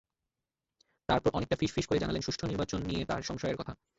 তারপর অনেকটা ফিসফিস করে জানালেন, সুষ্ঠু নির্বাচন নিয়ে তাঁর সংশয়ের কথা।